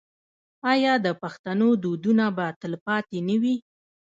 آیا د پښتنو دودونه به تل پاتې نه وي؟